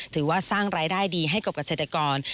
ถือว่าสร้างรายได้ดีให้กับเกษตรกร